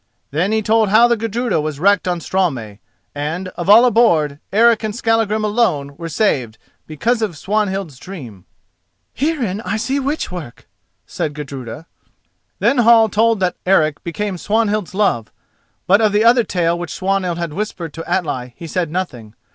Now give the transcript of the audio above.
Then he told how the Gudruda was wrecked on Straumey, and, of all aboard, Eric and Skallagrim alone were saved because of Swanhild's dream. "Herein I see witch work," said Gudruda. Then Hall told that Eric became Swanhild's love, but of the other tale which Swanhild had whispered to Atli he said nothing.